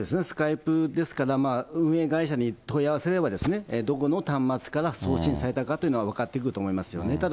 スカイプですから運営会社に問い合わせれば、どこの端末から送信されたかというのは分かってくると思いますよね。